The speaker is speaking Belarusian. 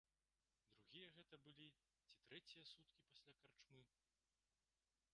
Другія гэта былі ці трэція суткі пасля карчмы?